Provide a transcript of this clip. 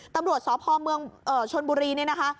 ตำรวจสพเมืองชนบุรีเนี่ยนะคะ